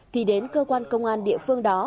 thì đến cơ quan công an địa phương đó